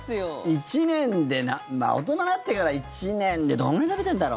１年で大人になってから１年でどんぐらい食べてんだろう？